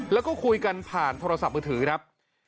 แล้วก็คุยกันผ่านโทรศัพท์มือถือครับ